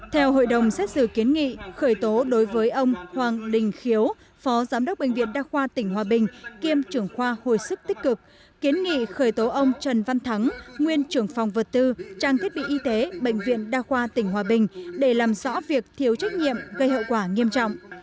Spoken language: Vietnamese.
theo hội đồng xét xử kiến nghị khởi tố đối với ông hoàng đình khiếu phó giám đốc bệnh viện đa khoa tỉnh hòa bình kiêm trưởng khoa hồi sức tích cực kiến nghị khởi tố ông trần văn thắng nguyên trưởng phòng vật tư trang thiết bị y tế bệnh viện đa khoa tỉnh hòa bình để làm rõ việc thiếu trách nhiệm gây hậu quả nghiêm trọng